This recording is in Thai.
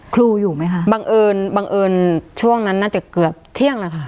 ครูอยู่ไหมคะบังเอิญบังเอิญช่วงนั้นน่าจะเกือบเที่ยงนะคะ